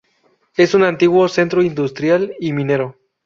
Es un antiguo centro industrial y minero.